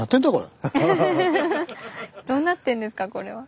どうなってんですかこれは。